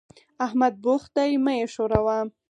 احمد بوخت دی؛ مه يې ښوروه.